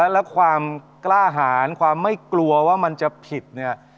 แล้วความกล้าหารความไม่กลัวว่ามันจะผิดเนี่ย